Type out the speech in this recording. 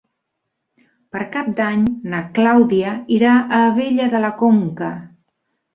Per Cap d'Any na Clàudia irà a Abella de la Conca.